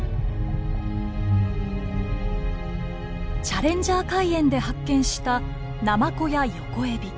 チャレンジャー海淵で発見したナマコやヨコエビ。